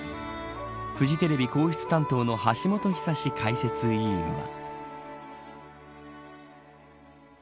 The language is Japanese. フジテレビ皇室担当の橋本寿史解説委員は。